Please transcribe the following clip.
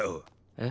えっ？